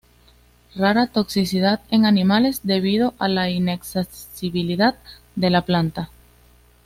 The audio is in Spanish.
Rara toxicidad en animales debido a la inaccesibilidad de la planta.